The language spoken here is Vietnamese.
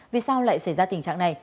vì sao lại xảy ra tình trạng này